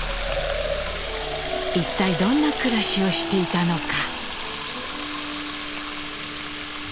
一体どんな暮らしをしていたのか？